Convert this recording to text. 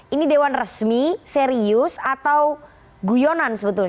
ini dewan resmi serius atau guyonan sebetulnya